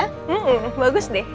hmm bagus deh